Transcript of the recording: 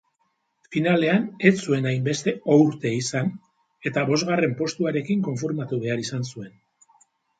Finalean ez zuen hainbeste ourte izan eta bosgarren postuarekin konformatu behar izan zuen.